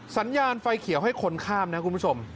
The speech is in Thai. สัญญาณไฟเขียวให้คนข้ามนะคุณผู้ชม